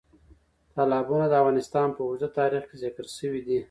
تالابونه د افغانستان په اوږده تاریخ کې ذکر شوی دی.